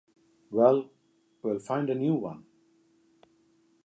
Well, we'll find a new one.